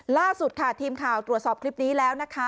ล่าสุดค่ะทีมข่าวตรวจสอบคลิปนี้แล้วนะคะ